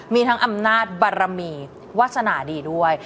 มีทั้งอำนาจบารมีวาสนาดีด้วย